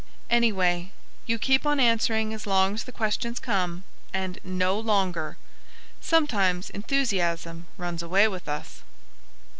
Anyway, you keep on answering as long as the questions come, and no longer. (Sometimes enthusiasm runs away with us.)